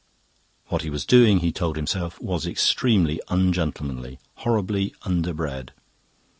What he was doing, he told himself, was extremely ungentlemanly, horribly underbred.